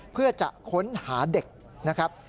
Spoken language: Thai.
เพื่อจะค้นหาเด็กนะครับ